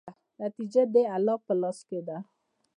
نتیجه د الله په لاس کې ده.